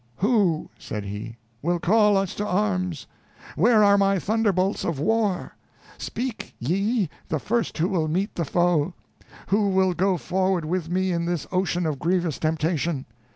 "Who," said he, "will call us to arms? Where are my thunderbolts of war? Speak ye, the first who will meet the foe! Who will go forward with me in this ocean of grievous temptation?